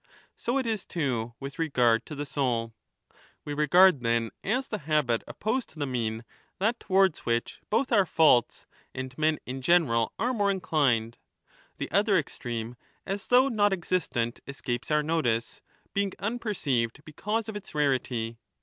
So it is too with regard to the soul. We regard, then, as the habit opposed to the 40 mean, that towards which both our faults and men in general are more inclined — the other extreme, as though not existent, escapes our notice, being unperceived because of its rarity.